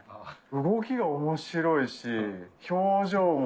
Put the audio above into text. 動きが面白いし表情も。